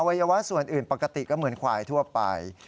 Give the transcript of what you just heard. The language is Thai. วัยวะส่วนอื่นปกติก็เหมือนควายทั่วไป